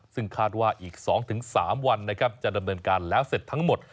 ซึ่งคาดว่าอีก๒๓วันนะครับจะดำเนินการแล้วเสร็จทั้งหมด